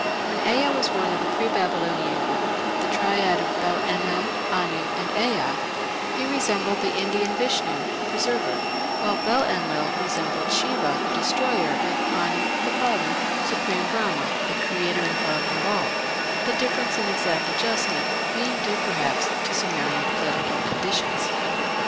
When Ea was one of the pre Babylonian group the triad of Bel Enlil, Anu, and Ea he resembled the Indian Vishnu, the Preserver, while Bel Enlil resembled Shiva, the Destroyer, and Anu, the father, supreme Brahma, the Creator and Father of All, the difference in exact adjustment being due, perhaps, to Sumerian political conditions.